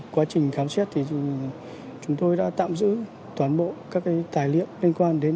quá trình khám xét thì chúng tôi đã tạm giữ toàn bộ các tài liệu